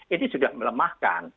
ini sudah melemahkan